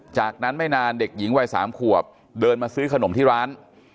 จากนั้นไม่นานเด็กหญิงวัย๓ขวบเดินมาซื้อขนมที่ร้าน